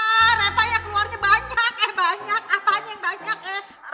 ah repanya keluarnya banyak eh banyak apanya yang banyak eh